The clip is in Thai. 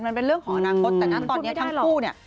มันเป็นเรื่องของอนาคตแต่นะตอนนี้ทั้งคู่เนี่ย